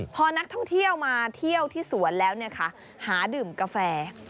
พอนักท่องเที่ยวมาเที่ยวที่สวนแล้วหาดื่มกาแฟ